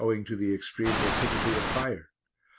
owing to the extreme rapidity of fire.